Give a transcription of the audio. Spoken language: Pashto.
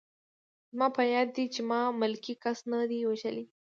زما په یاد دي چې ما ملکي کس نه دی وژلی